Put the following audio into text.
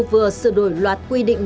vừa sửa đổi loạt quy định